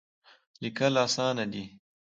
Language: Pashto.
لیکل اسانه دی.